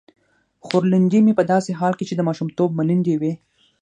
خورلنډې مې په داسې حال کې چې د ماشومتوب ملنډې یې وې.